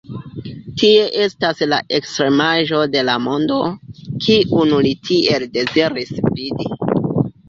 Tie estas la ekstremaĵo de la mondo, kiun li tiel deziris vidi.